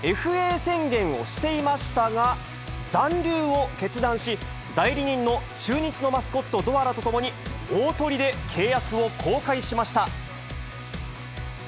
ＦＡ宣言をしていましたが、残留を決断し、代理人の中日のマスコット、ドアラと共に、大トリで契約を更改しました。